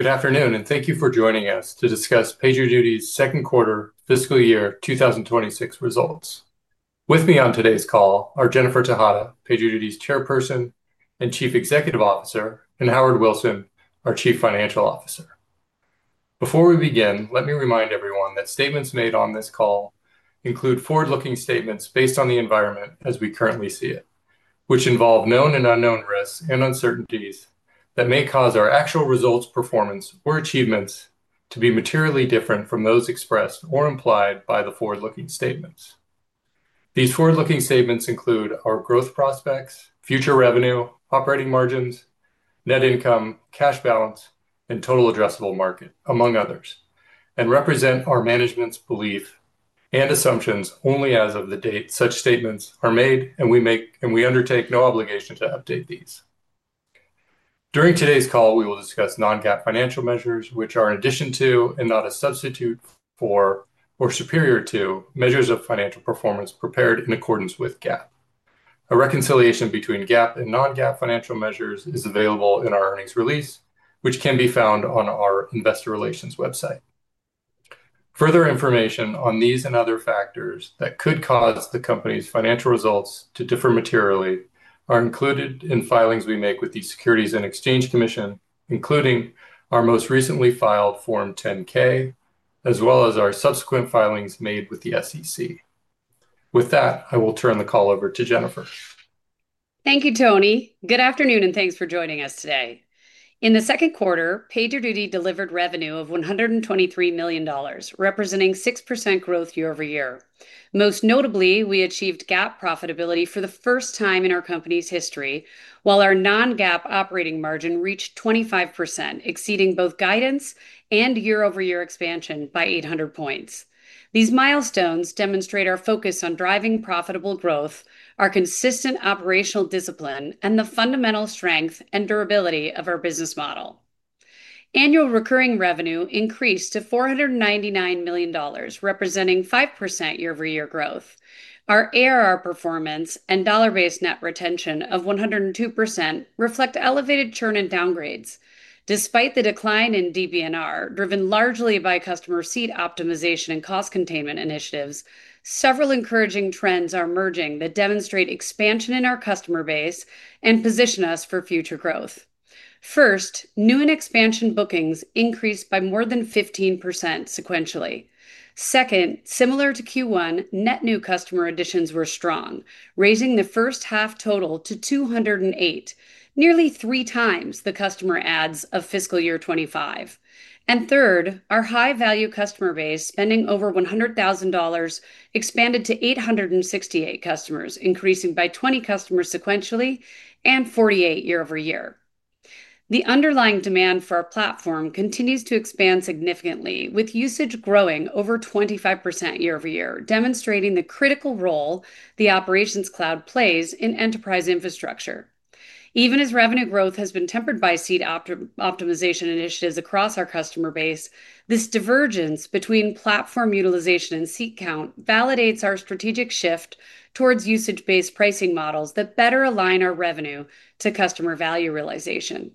Good afternoon, and thank you for joining us to discuss PagerDuty's second quarter fiscal year two thousand twenty six results. With me on today's call are Jennifer Tejada, PagerDuty's chairperson and chief executive officer and Howard Wilson, our chief financial officer. Before we begin, let me remind everyone that statements made on this call include forward looking statements based on the environment as we currently see it, which involve known and unknown risks and uncertainties that may cause our actual results, performance or achievements to be materially different from those expressed or implied by the forward looking statements. These forward looking statements include our growth prospects, future revenue, operating margins, net income, cash balance, and total addressable market, among others, and represent our management's belief and assumptions only as of the date such statements are made, and we make and we undertake no obligation to update these. During today's call, we will discuss non GAAP financial measures, which are in addition to and not a substitute for or superior to measures of financial performance prepared in accordance with GAAP. A reconciliation between GAAP and non GAAP financial measures is available in our earnings release, which can be found on our Investor Relations website. Further information on these and other factors that could cause the company's financial results to differ materially are included in filings we make with the Securities and Exchange Commission, including our most recently filed Form 10 ks as well as our subsequent filings made with the SEC. With that, I will turn the call over to Jennifer. Thank you, Tony. Good afternoon, and thanks for joining us today. In the second quarter, PagerDuty delivered revenue of $123,000,000 representing 6% growth year over year. Most notably, we achieved GAAP profitability for the first time in our company's history, while our non GAAP operating margin reached 25% exceeding both guidance and year over year expansion by 800 points. These milestones demonstrate our focus on driving profitable growth, our consistent operational discipline, and the fundamental strength and durability of our business model. Annual recurring revenue increased to $499,000,000 representing 5% year over year growth. Our ARR performance and dollar based net retention of 102% reflect elevated churn and downgrades. Despite the decline in DBNR driven largely by customer seat optimization and cost containment initiatives, several encouraging trends are emerging that demonstrate expansion in our customer base and position us for future growth. First, new and expansion bookings increased by more than 15% sequentially. Second, similar to q one, net new customer additions were strong, raising the first half total to 208, nearly three times the customer adds of fiscal year twenty five. And third, our high value customer base spending over $100,000 expanded to 868 customers, increasing by 20 customers sequentially and 48 year over year. The underlying demand for our platform continues to expand significantly with usage growing over 25% year over year, demonstrating the critical role the operations cloud plays in enterprise infrastructure. Even as revenue growth has been tempered by seed opt optimization initiatives across our customer base, this divergence between platform utilization and seat count validates our strategic shift towards usage based pricing models that better align our revenue to customer value realization.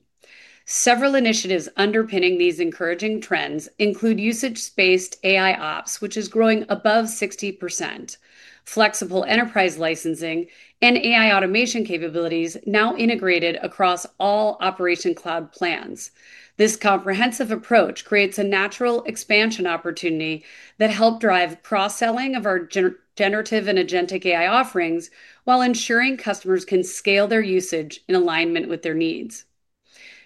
Several initiatives underpinning these encouraging trends include usage based AI ops, which is growing above 60%, flexible enterprise licensing, and AI automation capabilities now integrated across all operation cloud plans. This comprehensive approach creates a natural expansion opportunity that help drive cross selling of our generative and agentic AI offerings while ensuring customers can scale their usage in alignment with their needs.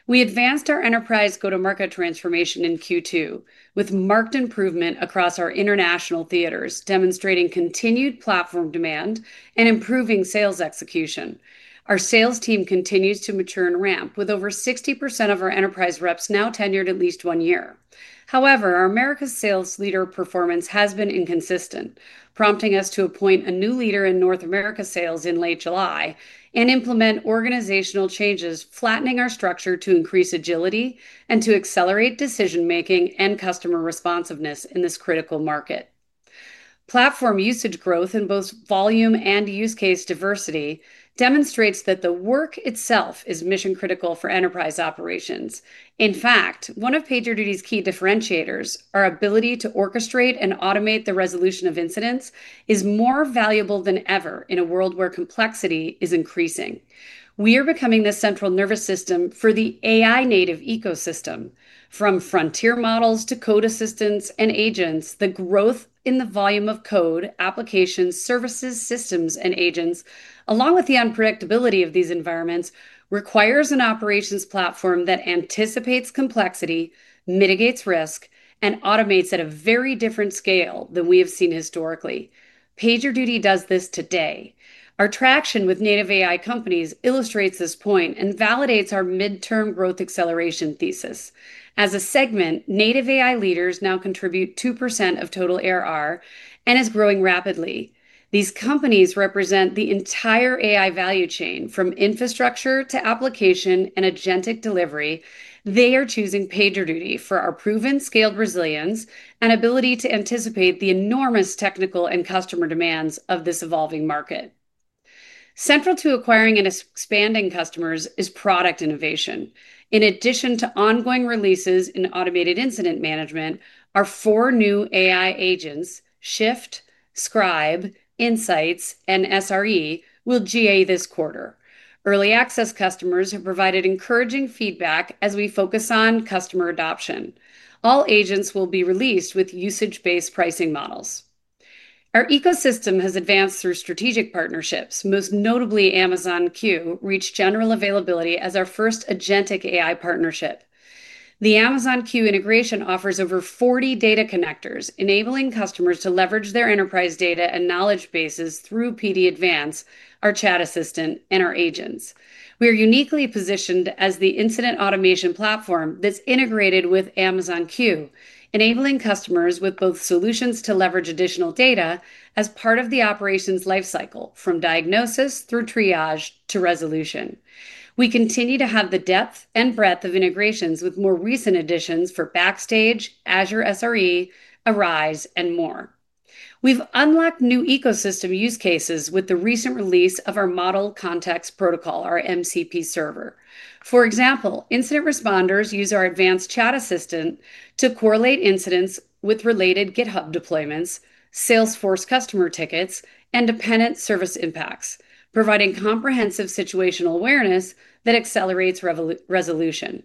We advanced our enterprise go to market transformation in q two with marked improvement across our international theaters, demonstrating continued platform demand execution. Our sales team continues to mature and ramp with over 60% of our enterprise reps now tenured at least one year. However, our America sales leader performance has been inconsistent, prompting us to appoint a new leader in North America sales in late July and implement organizational changes, flattening our structure to increase agility and to accelerate decision making and customer responsiveness in this critical market. Platform usage growth in both volume and use case diversity demonstrates that the work itself is mission critical for enterprise operations. In fact, one of PagerDuty's key differentiators, our ability to orchestrate and automate the resolution of incidents, is more valuable than ever in a world where complexity is increasing. We are becoming the central nervous system for the AI native ecosystem. From frontier models to code assistance and agents, the growth in the volume of code, applications, services, systems, and agents, along with the unpredictability of these environments, requires an operations platform that anticipates complexity, mitigates risk, and automates at a very different scale than we have seen historically. PagerDuty does this today. Our traction with native AI companies illustrates this point and validates our midterm growth acceleration thesis. As a segment, native AI leaders now contribute 2% of total ARR and is growing rapidly. These companies represent the entire AI value chain from infrastructure to application and agentic delivery. They are choosing PagerDuty for our proven scaled resilience and ability to anticipate the enormous technical and customer demands of this evolving market. Central to acquiring and expanding customers is product innovation. In addition to ongoing releases in automated incident management, our four new AI agents, Shift, Scribe, Insights, and SRE, will GA this quarter. Early access customers have provided encouraging feedback as we focus on customer adoption. All agents will be released with usage based pricing models. Our ecosystem has advanced through strategic partnerships, most notably Amazon Q reached general availability as our first AgenTeq AI partnership. The Amazon Q integration offers over 40 data connectors, enabling customers to leverage their enterprise data and knowledge bases through PD advance, our chat assistant, and our agents. We are uniquely as the incident automation platform that's integrated with Amazon queue, enabling customers with both solutions to leverage additional data as part of the operations life cycle from diagnosis through triage to resolution. We continue to have the depth and breadth of integrations with more recent additions for Backstage, Azure SRE, Arise, and more. We've unlocked new ecosystem use cases with the recent release of our model context protocol, our MCP server. For example, incident responders use our advanced chat assistant to correlate incidents with related GitHub deployments, Salesforce customer tickets, and dependent service impacts, providing comprehensive situational awareness that accelerates revolution.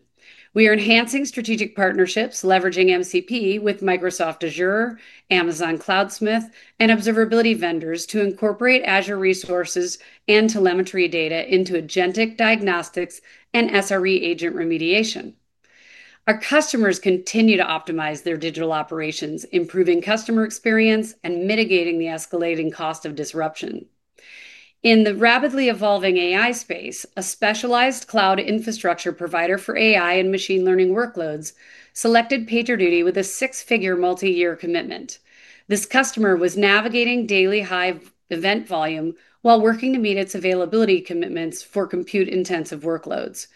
We are enhancing strategic partnerships leveraging MCP with Microsoft Azure, Amazon Cloudsmith, and observability vendors to incorporate Azure resources and telemetry data into AgenTeq diagnostics and SRE agent remediation. Our customers continue to optimize their digital operations, improving customer experience and mitigating the escalating cost of disruption. In the rapidly evolving AI space, a specialized cloud infrastructure provider for AI and machine learning workloads selected PagerDuty with a 6 figure multi year commitment. This customer was navigating daily high event volume while working to meet its availability commitments for compute intensive workloads.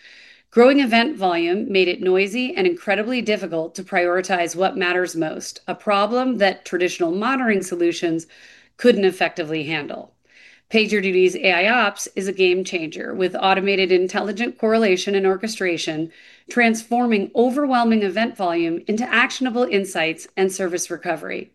Growing event volume made it noisy and incredibly difficult to prioritize what matters most, a problem that traditional monitoring solutions couldn't effectively handle. PagerDuty's AIOps is a game changer with automated intelligent correlation and orchestration transforming overwhelming event volume into actionable insights and service recovery.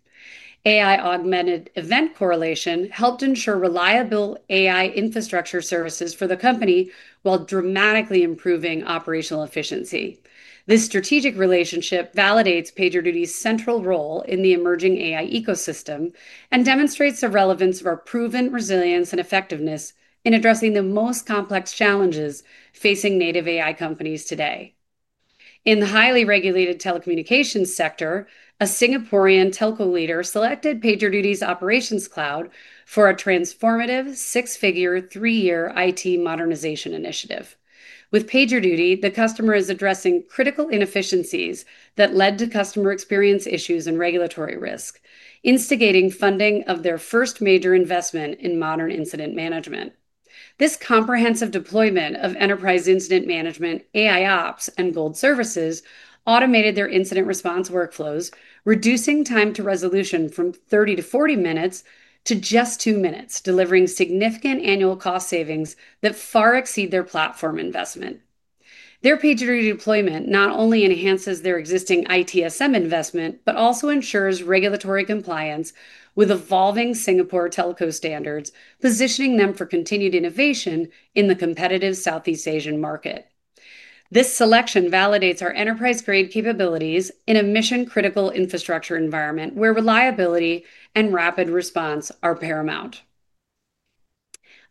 AI augmented event correlation helped ensure reliable AI infrastructure services for the company while dramatically improving operational efficiency. This strategic relationship validates PagerDuty's central role in the emerging AI ecosystem and demonstrates the relevance of our proven resilience and effectiveness in addressing the most complex challenges facing native AI companies today. In the highly regulated telecommunications sector, a Singaporean telco leader selected PagerDuty's operations cloud for a transformative 6 figure three year IT modernization initiative. With PagerDuty, the customer is addressing critical inefficiencies that led to customer experience issues and regulatory risk, instigating funding of their first major investment in modern incident management. This comprehensive deployment of enterprise incident management, AIOps, and gold services automated their incident response workflows, reducing time to resolution from thirty to forty minutes to just two minutes, delivering significant annual cost savings that far exceed their platform investment. Their pager redeployment not only enhances their existing ITSM investment, but also ensures regulatory compliance with evolving Singapore telco standards, positioning them for continued innovation in the competitive Southeast Asian market. This selection validates our enterprise grade capabilities in a mission critical infrastructure environment where reliability and rapid response are paramount.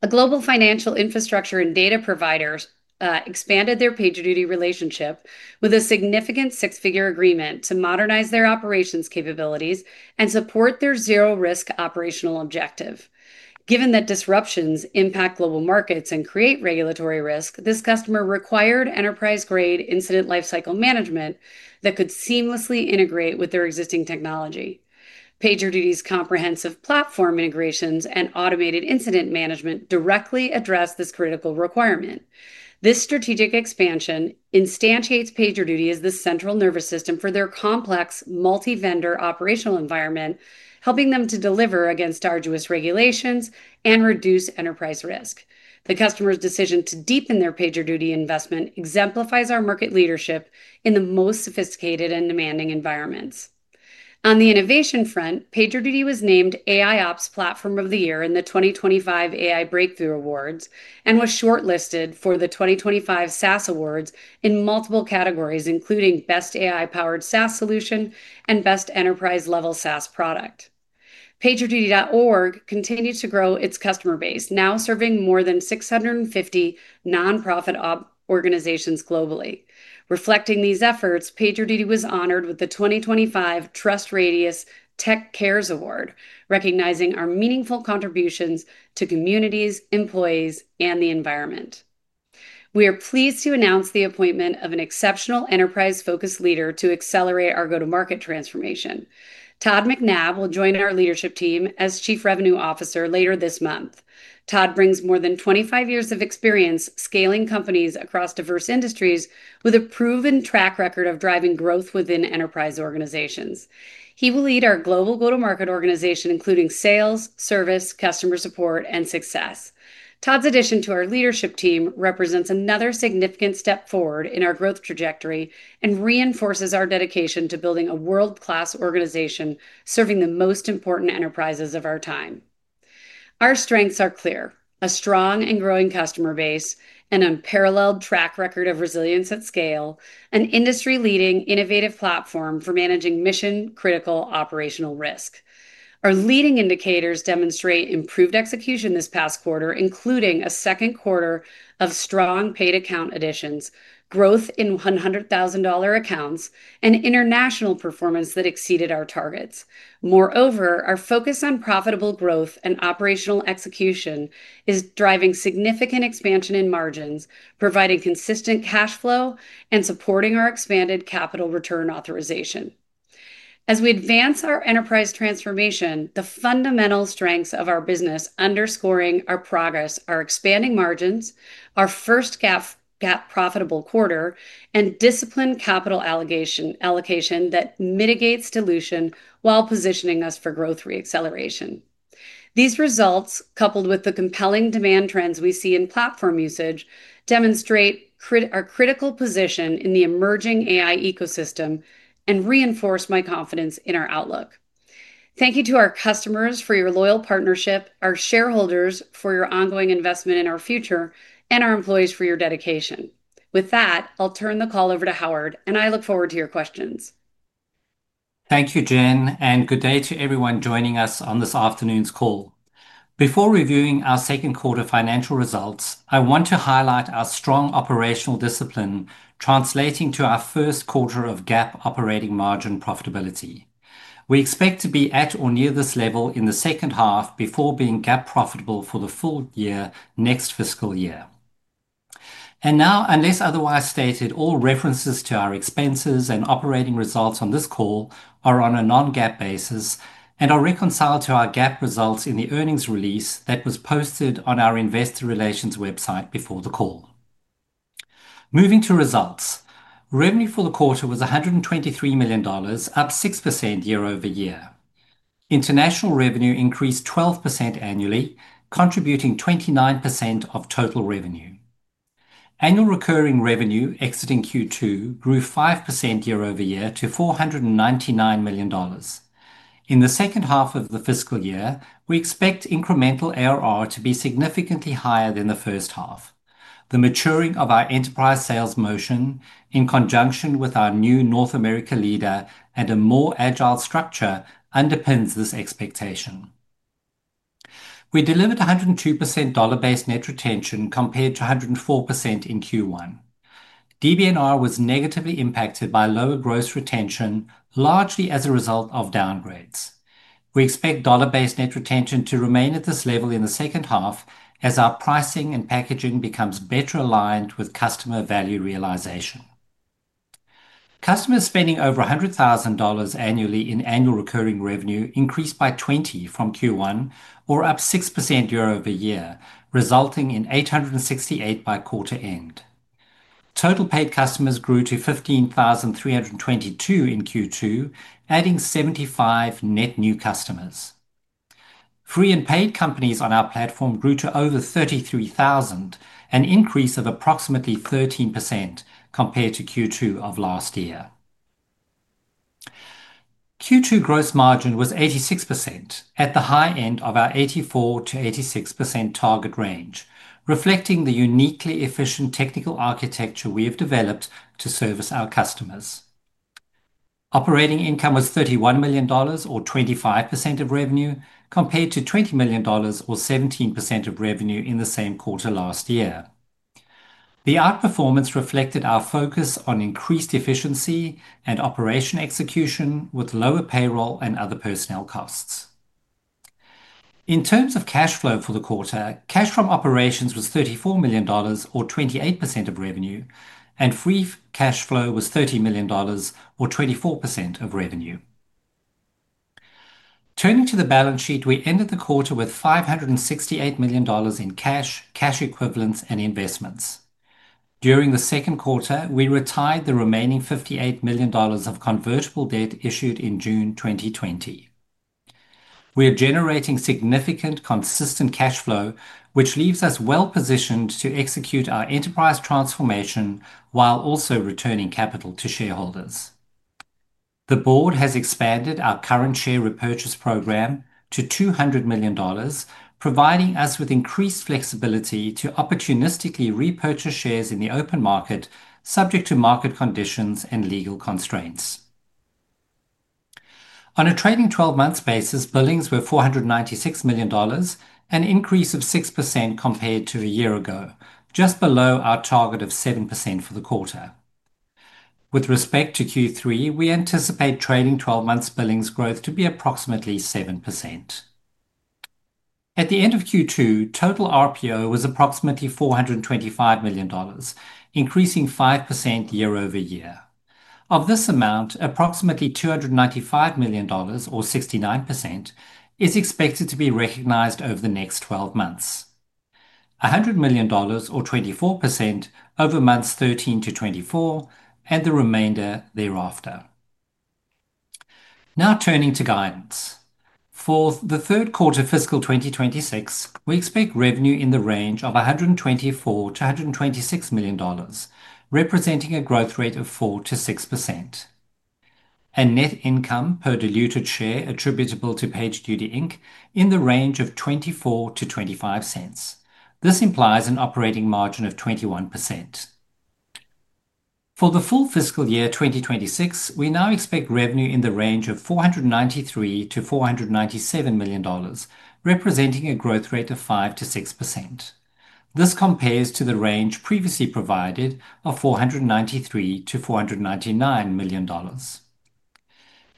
A global financial infrastructure and data providers expanded their PagerDuty relationship with a significant 6 figure agreement to modernize their operations capabilities and support their zero risk operational objective. Given that disruptions impact global markets and create regulatory risk, this customer required enterprise grade incident life cycle management that could seamlessly integrate with their existing technology. PagerDuty's comprehensive platform integrations and automated incident management directly address this critical requirement. This strategic expansion instantiates PagerDuty as the central nervous system for their complex multi vendor operational environment, helping them to deliver against arduous regulations and reduce enterprise risk. The customer's decision to deepen their PagerDuty investment exemplifies our market leadership in the most sophisticated and demanding environments. On the innovation front, PagerDuty was named AIOps platform of the year in the 2025 AI breakthrough awards and was shortlisted for the 2025 SaaS awards in multiple categories, including best AI powered SaaS solution and best enterprise level SaaS product. Pagerduty.org continued to grow its customer base, now serving more than 650 nonprofit op organizations globally. Reflecting these efforts, PagerDuty was honored with the 2025 TrustRadius Tech Cares Award, recognizing our meaningful contributions to communities, employees, and the environment. We are pleased to announce the appointment of an exceptional enterprise focused leader to accelerate our go to market transformation. Todd McNabb will join our leadership team as chief revenue officer later this month. Todd brings more than twenty five years of experience scaling companies across diverse industries with a proven track record of driving growth within enterprise organizations. He will lead our global go to market organization, including sales, service, customer support, and success. Todd's addition to our leadership team represents another significant step forward in our growth trajectory and reinforces our dedication to building a world class organization serving the most important enterprises of our time. Our strengths are clear, a strong and growing customer base, an unparalleled track record of resilience at scale, an industry leading innovative platform for managing mission critical operational risk. Our leading indicators demonstrate improved execution this past quarter, including a second quarter of strong paid account additions, growth in $100,000 accounts, and international performance that exceeded our targets. Moreover, our focus on profitable growth and operational execution is driving significant expansion in margins, providing consistent cash flow and supporting our expanded capital return authorization. As we advance our enterprise transformation, the fundamental strengths of our business underscoring our progress are expanding margins, our first GAAP GAAP profitable quarter, and disciplined capital allocation that mitigates dilution while positioning us for growth reacceleration. These results, coupled with the compelling demand trends we see in platform usage, demonstrate our critical position in the emerging AI ecosystem and reinforce my confidence in our outlook. Thank you to our customers for your loyal partnership, our shareholders for your ongoing investment in our future, and our employees for your dedication. With that, I'll turn the call over to Howard and I look forward to your questions. Thank you, Jen, and good day to everyone joining us on this afternoon's call. Before reviewing our second quarter financial results, I want to highlight our strong operational discipline translating to our first quarter of GAAP operating margin profitability. We expect to be at or near this level in the second half before being GAAP profitable for the full year next fiscal year. And now, unless otherwise stated, all references to our expenses and operating results on this call are on a non GAAP basis and are reconciled to our GAAP results in the earnings release that was posted on our Investor Relations website before the call. Moving to results. Revenue for the quarter was $123,000,000 up 6% year over year. International revenue increased 12% annually, contributing 29% of total revenue. Annual recurring revenue exiting Q2 grew 5% year over year to $499,000,000 In the second half of the fiscal year, we expect incremental ARR to be significantly higher than the first half. The maturing of our enterprise sales motion in conjunction with our new North America leader and a more agile structure underpins this expectation. We delivered 102% dollar based net retention compared to 104% in Q1. DBNR was negatively impacted by lower gross retention largely as a result of downgrades. We expect dollar based net retention to remain at this level in the second half as our pricing and packaging becomes better aligned with customer value realization. Customers spending over $100,000 annually in annual recurring revenue increased by 20 from Q1 or up 6% year over year resulting in $8.68 by quarter end. Total paid customers grew to 15,322 in Q2 adding 75 net new customers. Free and paid companies on our platform grew to over 33,000, an increase of approximately 13% compared to Q2 of last year. Q2 gross margin was 86% at the high end of our 84% to 86% target range, reflecting the uniquely efficient technical architecture we have developed to service our customers. Operating income was $31,000,000 or 25% of revenue compared to $20,000,000 or 17% of revenue in the same quarter last year. The outperformance reflected our focus on increased efficiency and operation execution with lower payroll and other personnel costs. In terms of cash flow for the quarter, cash from operations was $34,000,000 or 28% of revenue and free cash flow was $30,000,000 or 24% of revenue. Turning to the balance sheet, we ended the quarter with $568,000,000 in cash, cash equivalents and investments. During the second quarter, we retired the remaining $58,000,000 of convertible debt issued in June 2020. We are generating significant consistent cash flow, which leaves us well positioned execute our enterprise transformation while also returning capital to shareholders. The Board has expanded our current share repurchase program to $200,000,000 providing us with increased flexibility to opportunistically repurchase shares in the open market subject to market conditions and legal constraints. On a trailing twelve months basis, billings were $496,000,000 an increase of 6% compared to a year ago, just below our target of 7% for the quarter. With respect to Q3, we anticipate trailing twelve months billings growth to be approximately 7%. At the end of Q2, total RPO was approximately $425,000,000 increasing 5% year over year. Of this amount, approximately $295,000,000 or 69% is expected to be recognized over the next twelve months, dollars 100,000,000 or 24% over months 13 to 24 and the remainder thereafter. Now turning to guidance. For the third quarter fiscal twenty twenty six, we expect revenue in the range of 124,000,000 to $126,000,000 representing a growth rate of 4% to 6% and net income per diluted share attributable to Page Duty Inc. In the range of $0.24 to $0.25 This implies an operating margin of 21%. For the full fiscal year twenty twenty six, we now expect revenue in the range of $493,000,000 to $497,000,000 representing a growth rate of 5% to 6%. This compares to the range previously provided of $493,000,000 to $499,000,000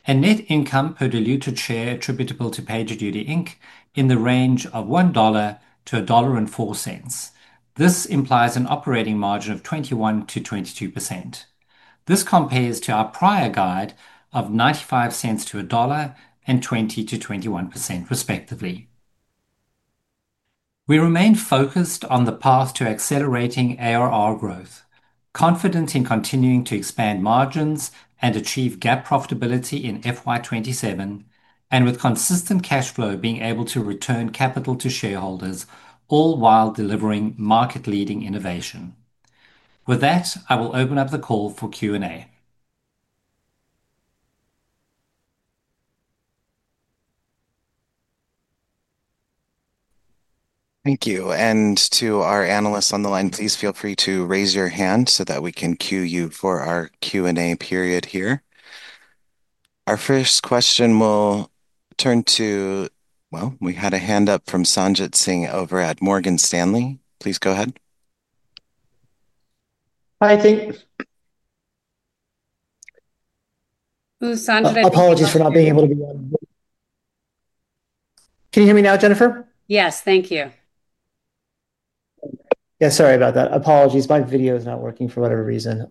and net income per diluted share attributable to PagerDuty, Inc. In the range of $1 to $1.4 This implies an operating margin of 21% to 22%. This compares to our prior guide of $0.95 to $1 and 20% to 21% respectively. We remain focused on the path to accelerating ARR growth, confident in continuing to expand margins and achieve GAAP profitability in FY 2027 and with consistent cash flow being able to return capital to shareholders all while delivering market leading innovation. With that, I will open up the call for Q and A. Thank you. And to our analysts on the line, please feel free to raise your hand so that we can queue you for our Q and A period here. Our first question will turn to well, we had a hand up from Sanjit Singh over at Morgan Stanley. Please go ahead. Thanks. Sanjit Singh? Apologies for not being able to be on mute. Can you hear me now, Jennifer? Yes. Thank you. Yeah. Sorry about that. Apologies. My video is not working for whatever reason.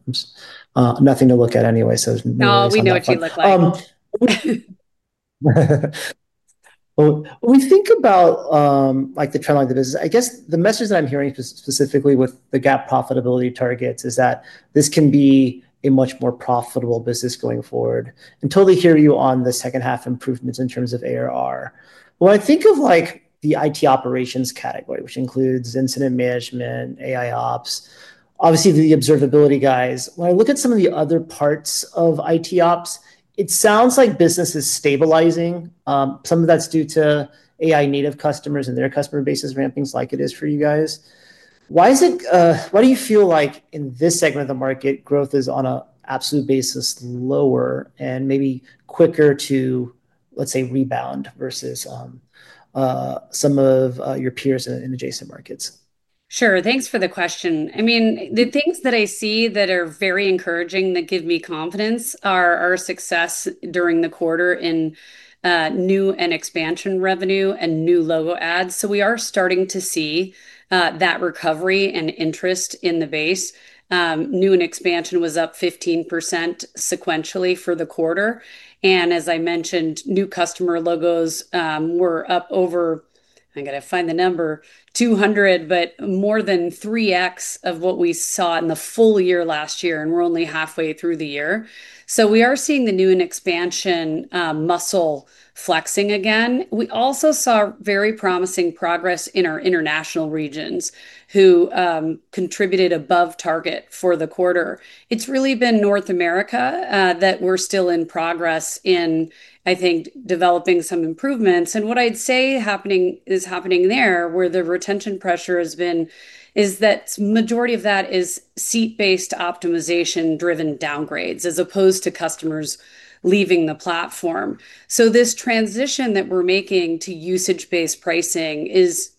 Nothing to look at anyway, so it's No. We know what you look like. When we think about, like, the trend line of business, I guess the message that I'm hearing specifically with the gap profitability targets is that this can be a much more profitable business going forward. I totally hear you on the second half improvements in terms of ARR. When I think of, like, the IT operations category, which includes incident management, AI ops, obviously, the observability guys, when I look at some of the other parts of IT ops, it sounds like business is stabilizing. Some of that's due to AI native customers and their customer bases rampings like it is for you guys. Why is it why do you feel like in this segment of the market growth is on a absolute basis lower and maybe quicker to, let's say, rebound versus some of your peers in adjacent markets? Sure. Thanks for the question. I mean, the things that I see that are very encouraging that give me confidence are our success during the quarter in new and expansion revenue and new logo ads. So we are starting to see that recovery and interest in the base. New and expansion was up 15% sequentially for the quarter. And as I mentioned, new customer logos, were up over, I gotta find the number, 200, but more than three x of what we saw in the full year last year, and we're only halfway through the year. So we are seeing the new and expansion, muscle flexing again. We also saw very promising progress in our international regions who, contributed above target for the quarter. It's really been North America, that we're still in progress in, I think, developing some improvements. And what I'd say happening is happening there where the retention pressure has been is that majority of that is seat based optimization driven downgrades as opposed to customers leaving the platform. So this transition that we're making to usage based pricing is,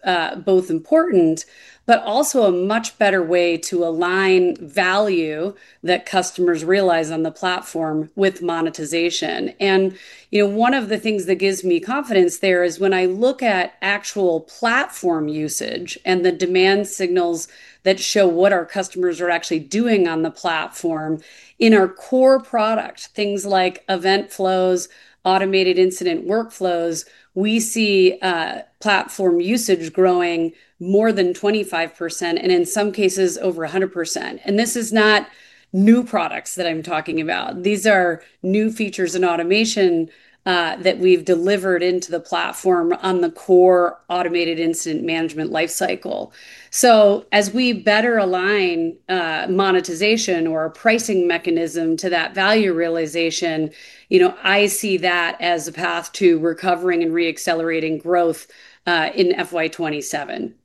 both important, but also a much better way to align value that customers realize on the platform with monetization. And, you know, one of the things that gives me confidence there is when I look at actual platform usage and the demand signals that show what our customers are actually doing on the platform in our core product, things like event flows, automated incident workflows, we see platform usage growing more than 25% and in some cases over a 100%. And this is not new products that I'm talking about. These are new features and automation that we've delivered into the platform on the core automated incident management life cycle. So as we better align monetization or pricing mechanism to that value realization, you know, I see that as a path to recovering and reaccelerating growth in f y twenty seven.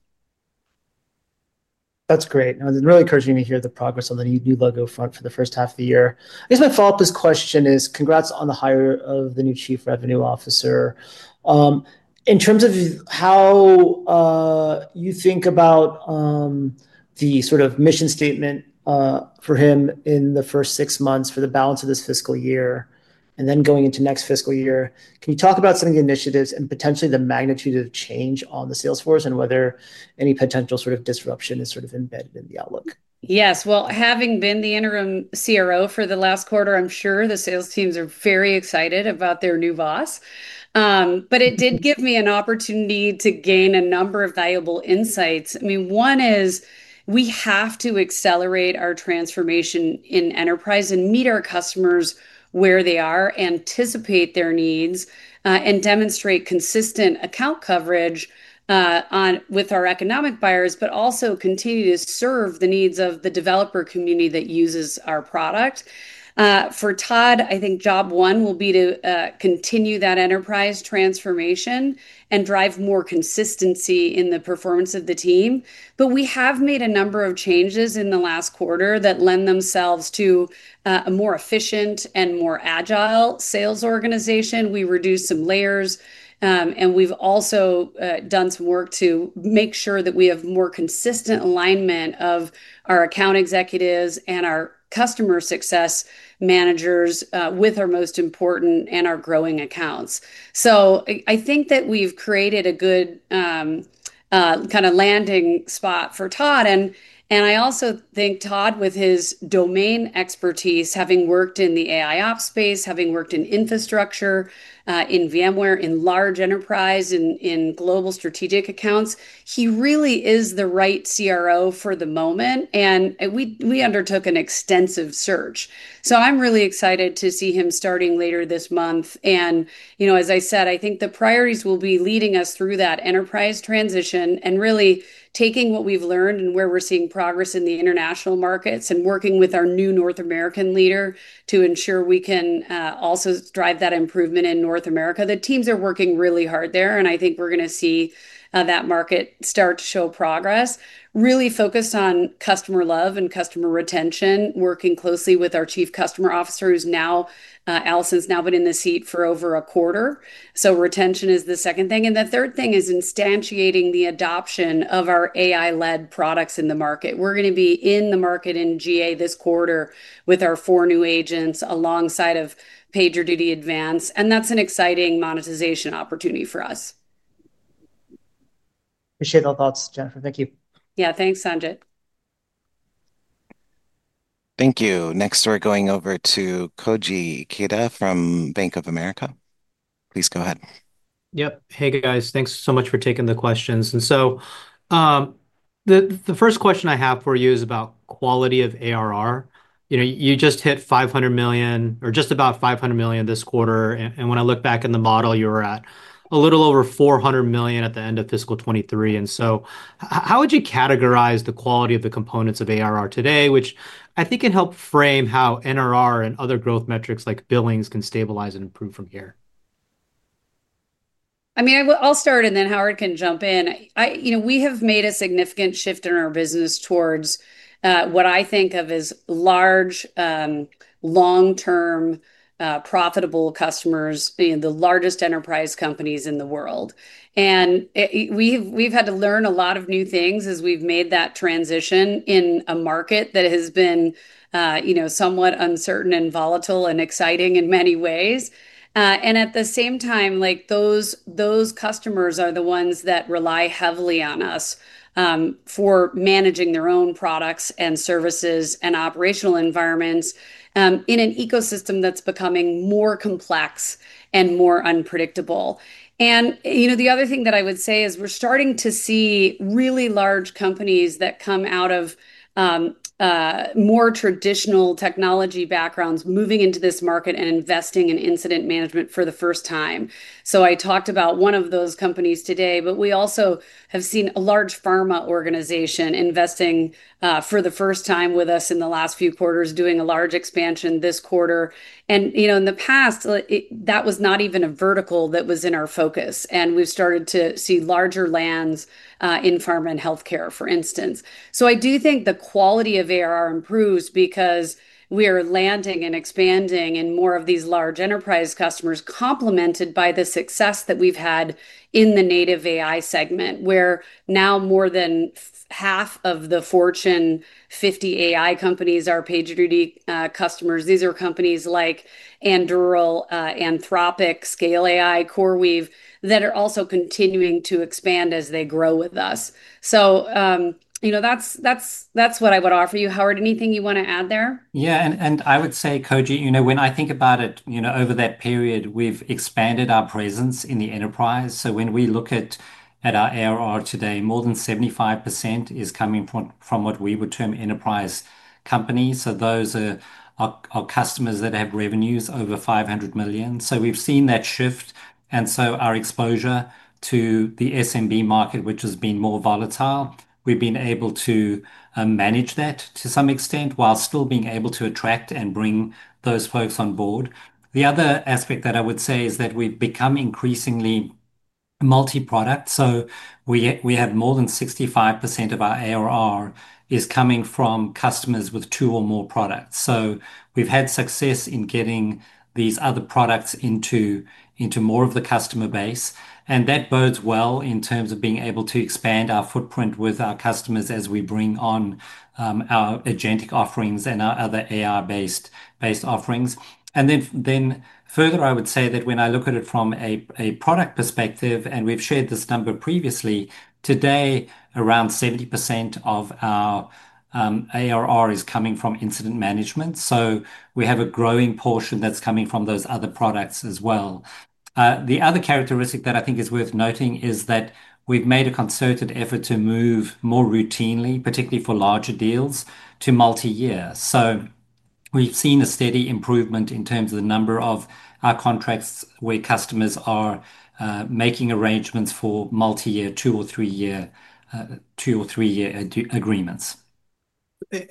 That's great. And it's really encouraging to hear the progress on the new new logo front for the first half of the year. I guess my follow-up to this question is congrats on the hire of the new chief revenue officer. In terms of how you think about the sort of mission statement for him in the first six months for the balance of this fiscal year and then going into next fiscal year. Can you talk about some of the initiatives and potentially the magnitude of change on the Salesforce and whether any potential sort of disruption is sort of embedded in the outlook? Yes. Well, having been the interim CRO for the last quarter, I'm sure the sales teams are very excited about their new boss. But it did give me an opportunity to gain a number of valuable insights. I mean, one is we have to accelerate our transformation in enterprise and meet our customers where they are, anticipate their needs, and demonstrate consistent account coverage on with our economic buyers, but also continue to serve the needs of the developer community that uses our product. For Todd, I think job one will be to, continue that enterprise transformation and drive more consistency in the performance of the team. But we have made a number of changes in the last quarter that lend themselves to a more efficient and more agile sales organization. We reduced some layers, and we've also, done some work to make sure that we have more consistent alignment of our account executives and our customer success managers, with our most important and our growing accounts. So I I think that we've created a good, kinda landing spot for Todd. And and I also think Todd with his domain expertise, having worked in the AI ops space, having worked in infrastructure, in VMware, in large enterprise, in in global strategic accounts, He really is the right CRO for the moment, and we we undertook an extensive search. So I'm really excited to see him starting later this month. And, you know, as I said, I think the priorities will be leading us through that enterprise transition and really taking what we've learned and where we're seeing progress in the international markets and working with our new North American leader to ensure we can, also drive that improvement in North America. The teams are working really hard there, and I think we're gonna see, that market start to show progress. Really focused on customer love and customer retention, working closely with our chief customer officers now. Allison's now been in the seat for over a quarter. So retention is the second thing. And the third thing is instantiating the adoption of our AI led products in the market. We're gonna be in the market in GA this quarter with our four new agents alongside of PagerDuty Advance, and that's an exciting monetization opportunity for us. Appreciate all thoughts, Jennifer. Thank you. Yeah. Thanks, Sanjay. Thank you. Next, we're going over to Koji Keda from Bank of America. Please go ahead. Yep. Hey, guys. Thanks so much for taking the questions. And so the the first question I have for you is about quality of ARR. You know, you just hit 500,000,000 or just about 500,000,000 this quarter. And and when I look back in the model, you were at a little over 400,000,000 at the end of fiscal twenty three. And so how would you categorize the quality of the components of ARR today, which I think can help frame how NRR and other growth metrics like billings can stabilize and improve from here? Mean, I will I'll start, and then Howard can jump in. I you know, we have made a significant shift in our business towards, what I think of as large, long term, profitable customers, being the largest enterprise companies in the world. And we've we've had to learn a lot of new things as we've made that transition in a market that has been, you know, somewhat uncertain and volatile and exciting in many ways. And at the same time, like, those those customers are the ones that rely heavily on us, for managing their own products and services and operational environments, in an ecosystem that's becoming more complex and more unpredictable. And, you know, the other thing that I would say is we're starting to see really large companies that come out of more traditional technology backgrounds moving into this market and investing in incident management for the first time. So I talked about one of those companies today, but we also have seen a large pharma organization investing, for the first time with us in the last few quarters doing a large expansion this quarter. And, you know, in the past, that was not even a vertical that was in our focus, and we've started to see larger lands, in pharma and health care, for instance. So I do think the quality of ARR improves because we are landing and expanding in more of these large enterprise customers complemented by the success that we've had in the native AI segment, where now more than half of the Fortune 50 AI companies are PagerDuty, customers. These are companies like Andural, Anthropic, Scale AI, CoreWeave that are also continuing to expand as they grow with us. So, you know, that's that's that's what I would offer you. Howard, anything you wanna add there? Yeah. And and I would say, Koji, you know, when I think about it, you know, over that period, we've expanded our presence in the enterprise. So when we look at at our ARR today, more than 75% is coming from from what we would term enterprise companies. So those are are are customers that have revenues over 500,000,000. So we've seen that shift and so our exposure to the SMB market which has been more volatile, we've been able to manage that to some extent while still being able to attract and bring those folks on board. The other aspect that I would say is that we've become increasingly multiproduct. So we we have more than 65 of our ARR is coming from customers with two or more products. So we've had success in getting these other products into into more of the customer base and that bodes well in terms of being able to expand our footprint with our customers as we bring on our agentic offerings and our other AI based based offerings. And then then further, I would say that when I look at it from a a product perspective, and we've shared this number previously, today around 70% of ARR is coming from incident management. So we have a growing portion that's coming from those other products as well. The other characteristic that I think is worth noting is that we've made a concerted effort to move more routinely, particularly for larger deals, to multiyear. So we've seen a steady improvement in terms of the number of our contracts where customers are making arrangements for multiyear two or three year two or three year agreements.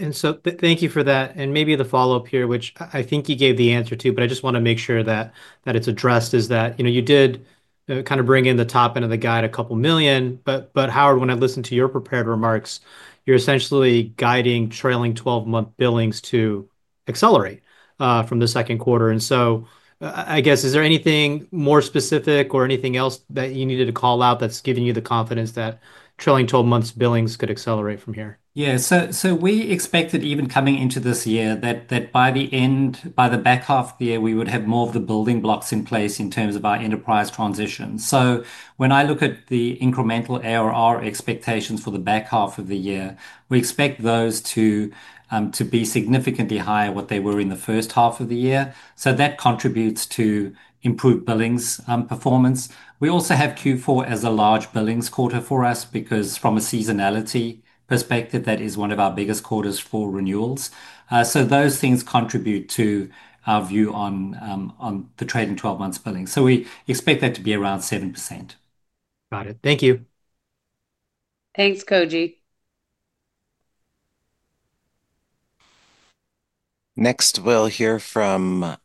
And so thank you for that. And maybe the follow-up here, which I think you gave the answer to, but I just wanna make sure that that it's addressed is that, you know, you did kinda bring in the top end of the guide a couple million. But but, Howard, when I listened to your prepared remarks, you're essentially guiding trailing twelve month billings to accelerate from the second quarter. And so I guess is there anything more specific or anything else that you needed to call out that's giving you the confidence that trailing twelve months billings could accelerate from here? Yeah. So so we expected even coming into this year that that by the end by the back half of the year, we would have more of the building blocks in place in terms of our enterprise transition. So when I look at the incremental ARR expectations for the back half of the year, we expect those to to be significantly higher what they were in the first half of the year. So that contributes to improved billings performance. We also have q four as a large billings quarter for us because from a seasonality perspective, that is one of our biggest quarters for renewals. So those things contribute to our view on on the trading twelve months billing. So we expect that to be around 7%. Got it. Thank you. Thanks, Koji. Next, we'll hear from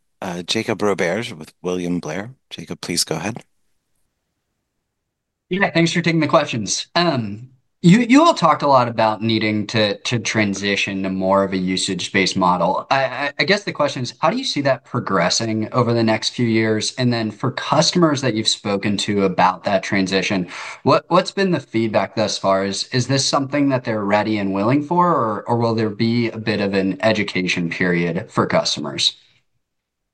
Jacob Robert with William Blair. Jacob, please go ahead. Yeah. Thanks for taking the questions. You you all talked a lot about needing to to transition to more of a usage based model. I I I guess the question is, how do you see that progressing over the next few years? And then for customers that you've spoken to about that transition, what what's been the feedback thus far as is this something that they're ready and willing for, or or will there be a bit of an education period for customers?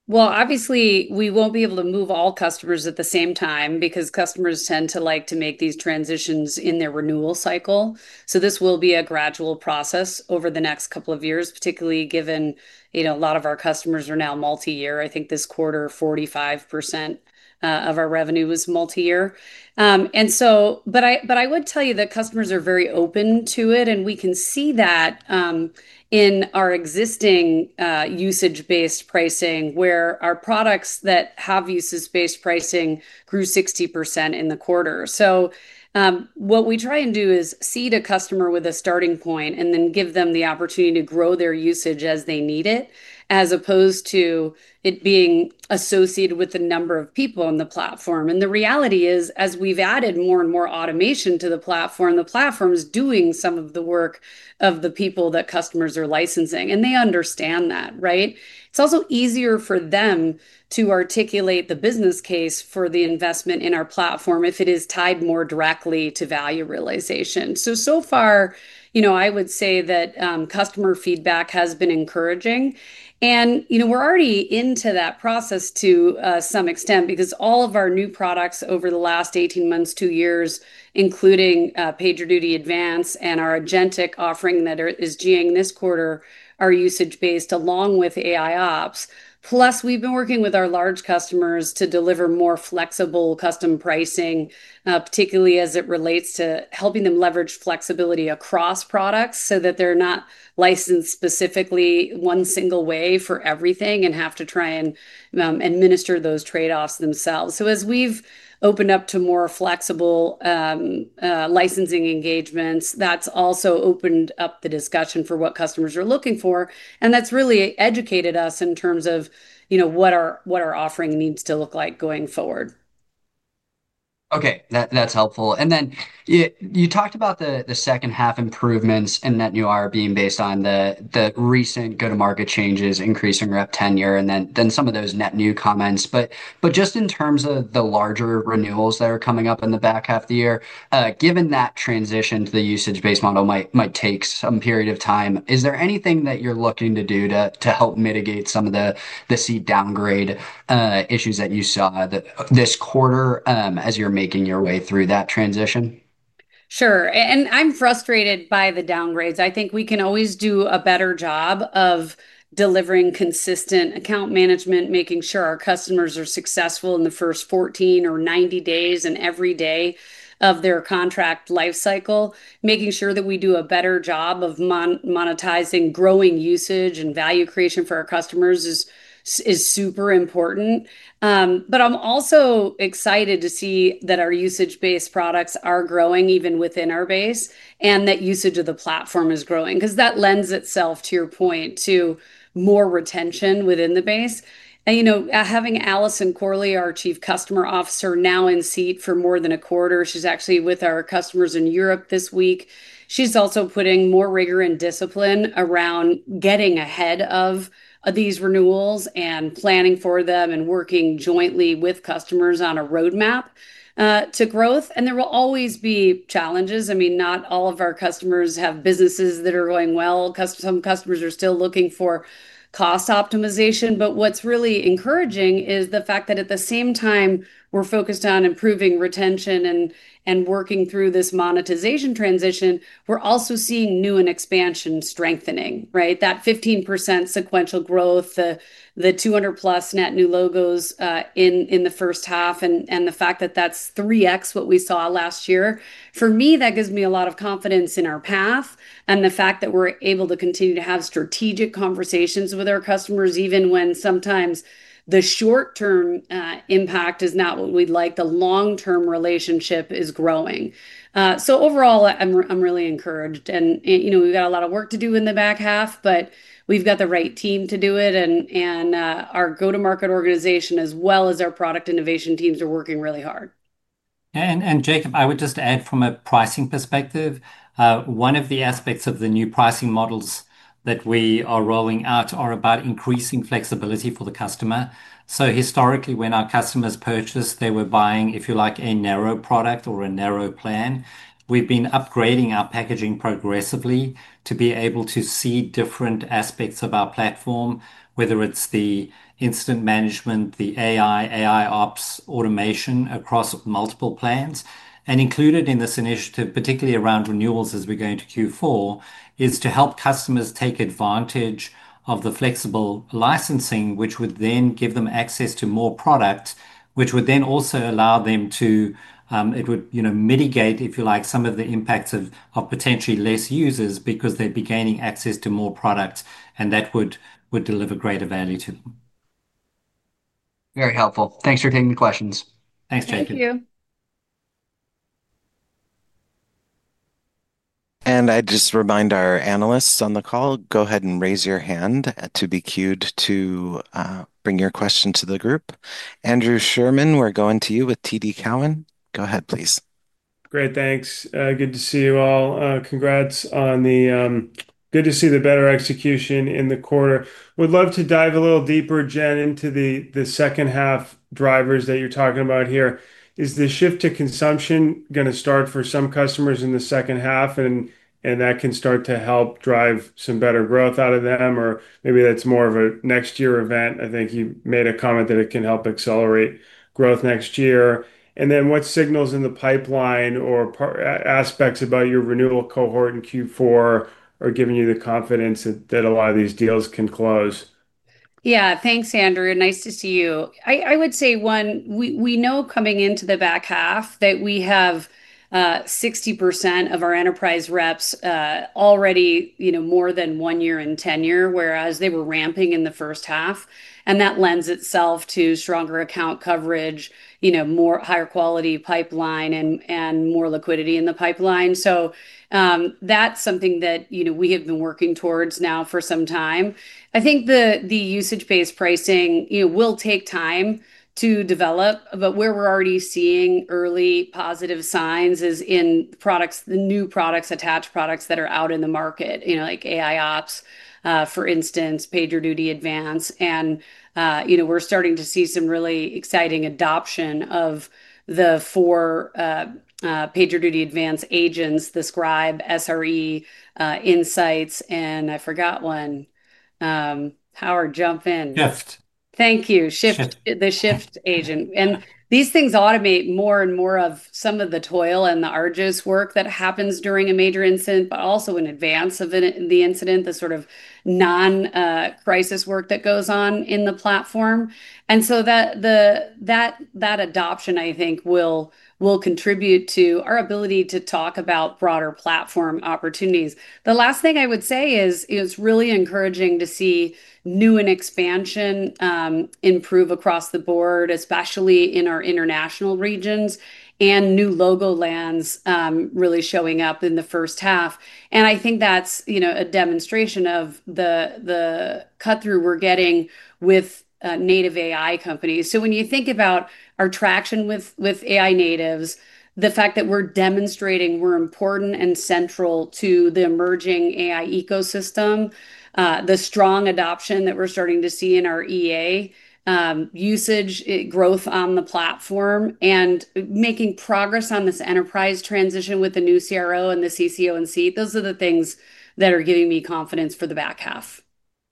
Well, obviously, we won't be able to move all customers at time because customers tend to like to make these transitions in their renewal cycle. So this will be a gradual process over the next couple of years, particularly given, you know, a lot of our customers are now multiyear. I think this quarter, 45% of our revenue was multiyear. And so but I but I would tell you that customers are very open to it, and we can see that in our existing usage based pricing where our products that have uses based pricing 60% in the quarter. So what we try and do is see the customer with a starting point and then give them the opportunity to grow their usage as they need it as opposed to it being associated with the number of people on the platform. Platform. And the reality is as we've added more and more automation to the platform, the platform is doing some of the work of the people that customers are licensing, and they understand that. Right? It's also easier for them to articulate the business case for the investment in our platform if it is tied more directly to value realization. So so far, you know, I would say that, customer feedback has been encouraging. And, you know, we're already into that process to some extent because all of our new products over the last eighteen months, two years, including PagerDuty Advance and our AgenTic offering that are is GA ing this quarter are usage based along with AI ops. Plus, we've been working with our large customers to deliver more flexible custom pricing, particularly as it relates to helping them leverage flexibility across products so that they're not licensed specifically one single way for everything and have to try and administer those trade offs themselves. So as we've opened up to more flexible licensing engagements, that's also opened up the discussion for what customers are looking for, and that's really educated us in terms of, you know, what our what our offering needs to look like going forward. Okay. That that's helpful. And then you you talked about the the second half improvements and that you are being based on the the recent go to market changes changes, increasing rep tenure, and then then some of those net new comments. But but just in terms of the larger renewals that are coming up in the back half the year, given that transition to the usage based model might might take some period of time, is there anything that you're looking to do to to help mitigate some of the the seat downgrade, issues that you saw that this quarter, as you're making your way through that transition? Sure. And I'm frustrated by the downgrades. I think we can always do a better job of delivering consistent account management, making sure our customers are successful in the first fourteen or ninety days and every day of their contract life cycle. Making sure that we do a better job of mon monetizing growing usage and value creation for customers is is super important. But I'm also excited to see that our usage based products are growing even within our base and that usage of the platform is growing because that lends itself to your point to more retention within the base. And, you know, having Alison Corley, our chief customer officer now in seat for more than a quarter, she's actually with our customers in Europe this week. She's also putting more rigor and discipline around getting ahead of these renewals and planning for them and working jointly with customers on a road map to growth. And there will always be challenges. I mean, not all of our customers have businesses that are going well. Customs some customers are still looking for cost optimization. But what's really encouraging is the fact that at the same time, we're focused on improving retention and and working through this monetization transition. We're also seeing new and expansion strengthening. Right? That 15% sequential growth, the 200 plus net new logos, in in the first half and and the fact that that's three x what we saw last year. For me, that gives me a lot of confidence in our path and the fact that we're able to continue to have strategic conversations with our customers even when sometimes the short term impact is not what we'd like. The long term relationship is growing. So overall, I'm I'm really encouraged. And, you know, we've got a lot of work to do in the back half, but we've got the right team to do it. And and our go to market organization as well as our product innovation teams are working really hard. And and, Jacob, I would just add from a pricing perspective. One of the aspects of the new pricing models that we are rolling out are about increasing flexibility for the customer. So historically, when our customers purchased, they were buying, if you like, a narrow product or a narrow plan. We've been upgrading our packaging progressively to be able to see different aspects of our platform, whether it's the instant management, the AI, AI ops, automation across multiple plans. And included in this initiative, particularly around renewals as we go into q four, is to help customers take advantage of the flexible licensing, which would then give them access to more product, which would then also allow them to, it would, you know, mitigate, if you like, some of the impacts of of potentially less users because they'd be gaining access to more product and that would would deliver greater value to them. Very helpful. Thanks for taking the questions. Thanks, Jacob. Thank you. And I'd just remind our analysts on the call, go ahead and raise your hand to be queued to bring your question to the group. Andrew Sherman, we're going to you with TD Cowen. Go ahead, please. Great, thanks. Good to see you all. Congrats on the good to see the better execution in the quarter. We'd love to dive a little deeper Jen into the second half drivers that you're talking about here. Is the shift to consumption going to start for some customers in the second half and that can start to help drive some better growth out of them or maybe that's more of a next year event? I think you made a comment that it can help accelerate growth next year. And then what signals in the pipeline or aspects about your renewal cohort in Q4 are giving you the confidence that a lot of these deals can close? Yeah. Thanks, Andrew. Nice to see you. I I would say one, we we know coming into the back half that we have, 60% of our enterprise reps, already, you know, more than one year in tenure, whereas they were ramping in the first half. And that lends itself to stronger account coverage, you know, more higher quality pipeline and and more liquidity in the pipeline. So, that's something that, you know, we have been working towards now for some time. I think the the usage based pricing, you know, will take time to develop, but where we're already seeing early positive signs is in products the new products, attached products that are out in the market, you know, like AI ops, for instance, PagerDuty Advance. And, you know, we're starting to see some really exciting adoption of the four PagerDuty Advance agents, the scribe, SRE, insights, and I forgot one. Howard, jump in. Shift. Thank you. Shift. Shift. The shift agent. And these things automate more and more of some of the toil and the arduous work that happens during a major incident, but also in advance of the incident, the sort of non, crisis work that goes on in the platform. And so that the that that adoption, I think, will will contribute to our ability to talk about broader platform opportunities. The last thing I would say is is really encouraging to see new and expansion, improve across the board, especially in our international regions and new logo lands, really showing up in the first half. And I think that's, you know, a demonstration of the the cut through we're getting with native AI companies. So when you think about our traction with with AI natives, the fact that we're demonstrating we're important and central to the emerging AI ecosystem, the strong adoption that we're starting to see in our EA usage, growth on the platform, and making progress on this enterprise transition with the new CRO and the CCONC. Those are the things that are giving me confidence for the back half.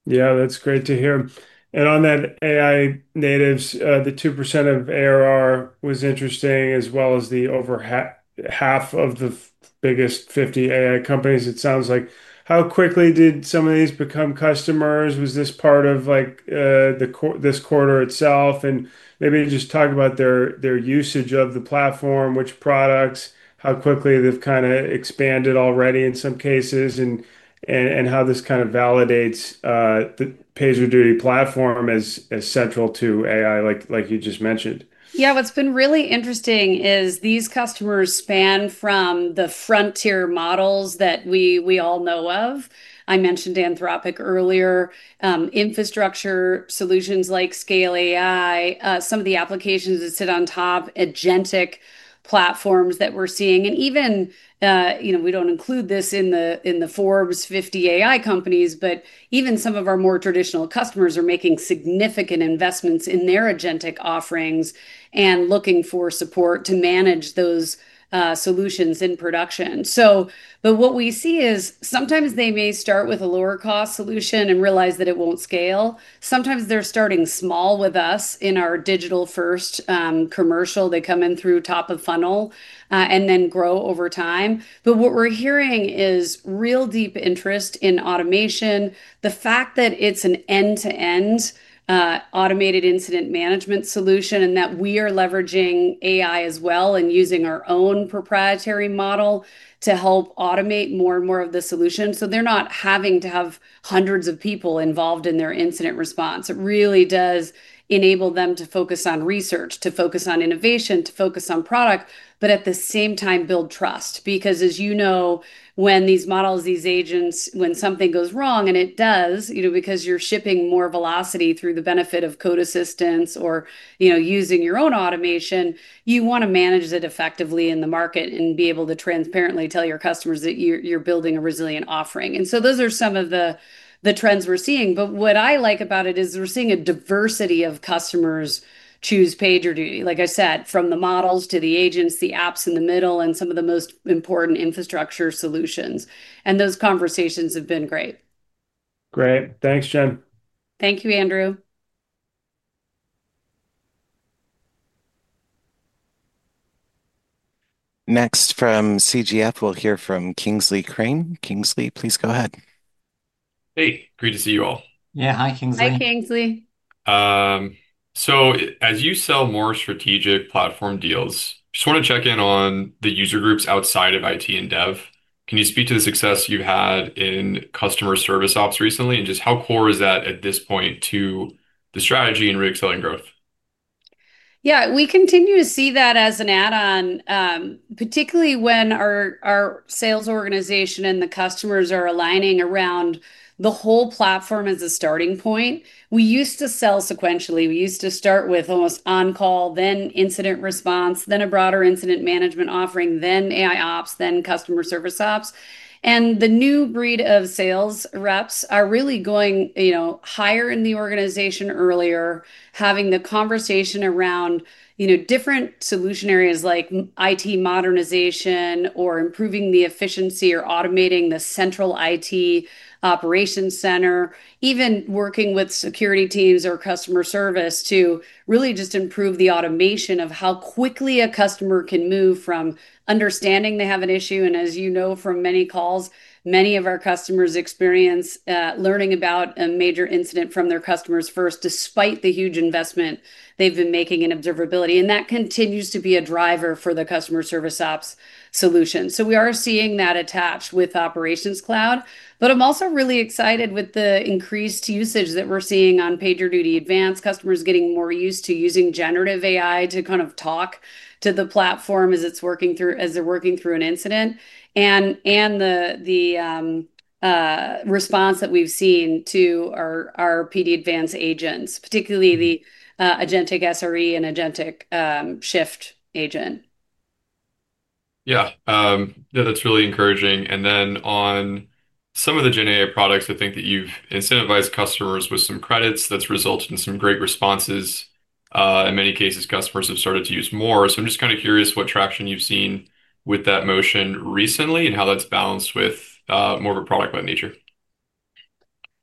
Yeah. That's great to hear. And on that AI natives, the 2% of ARR was interesting as well as the over half of the biggest 50 AI companies, it sounds like. How quickly did some of these become customers? Was this part of, like, the this quarter itself? And maybe just talk about their their usage of the platform, which products, how quickly they've kinda expanded already in some cases, and and and how this kind of validates, the PagerDuty platform as as central to AI like like you just mentioned. Yeah. What's been really interesting is these customers span from the frontier models that we we all know of. I mentioned Anthropic earlier, infrastructure solutions like Scale AI, some of the applications that sit on top, agentic platforms that we're seeing. And even, you know, we don't include this in the in the Forbes 50 AI companies, but even some of our more traditional customers are making significant investments in their agentic offerings and looking for support to manage those solutions in production. So but what we see is sometimes they may start with a lower cost solution and realize that it won't scale. Sometimes they're starting small with us in our digital first commercial. They come in through top of funnel and then grow over time. But what we're hearing is real deep interest in automation. The fact that it's an end to end automated incident management solution and that we are leveraging AI as well and using our own proprietary model to help automate more and more of the solution. So they're not having to have hundreds of people involved in their incident response. It really does enable them to focus on research, to focus on innovation, to focus on product, but at the same time, build trust. Because as you know, when these models, these agents, when something goes wrong and it does, you know, because you're shipping more velocity through the benefit of code assistance or, you know, using your own automation, you wanna manage that effectively in the market and be able to transparently tell your customers that you're you're building a resilient offering. And so those are some of the the trends we're seeing. But what I like about it is we're seeing a diversity of customers choose PagerDuty. Like I said, from the models to the agency apps in the middle and some of the most important infrastructure solutions, and those conversations have been great. Great. Thanks, Jen. Thank you, Andrew. Next from CGF, we'll hear from Kingsley Crane. Kingsley, please go ahead. Hey. Great to see you all. Yeah. Hi, Kingsley. Hi, Kingsley. So as you sell more strategic platform deals, just wanna check-in on the user groups outside of IT and dev. Can you speak to the success you've had in customer service ops recently? And just how core is that at this point to the strategy and reaccelerating growth? Yeah. We continue to see that as an add on, particularly when our our sales organization and the customers are aligning around the whole platform as a starting point. We used to sell sequentially. We used to start with almost on call, then incident response, then a broader incident management offering, then AI ops, then customer service ops. And the new breed of sales reps are really going, you know, higher in the organization earlier, having the conversation around, you know, different solution areas like IT modernization or improving the efficiency or automating the central IT operation center, even working with security teams or customer service to really just improve the automation of how quickly a customer can move from understanding they have an issue. And as you know from many calls, many of our customers experience, learning about a major incident from their customers first despite the huge investment they've been making in observability. And that continues to be a driver for the customer service ops solution. So we are seeing that attached with operations cloud, but I'm also really excited with the increased usage that we're seeing on PagerDuty advanced. Customers getting more used to using generative AI to kind of talk to the platform as it's working through as they're working through an incident. And and the the, response that we've seen to our our PD advanced agents, particularly the, AgenTic SRE and AgenTic, Shift agent. Yeah. No. That's really encouraging. And then on some of the generic products, I think that you've incentivized customers with some credits that's resulted in some great responses. In many cases, customers have started to use more. So I'm just kinda curious what traction you've seen with that motion recently and how that's balanced with, more of a product by nature.